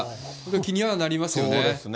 気にはなりますよね。